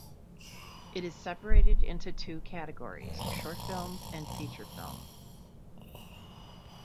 It is separated into two categories: short films and feature films.